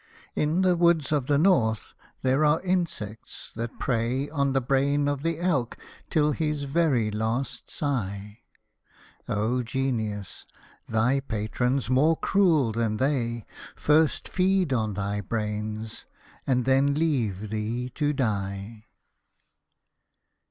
In the woods of the North there are insects that prey On the brain of the elk till his very last sigh ; O Genius ! thy patrons, more cruel than they, First feed on thy brains, and then leave thee to die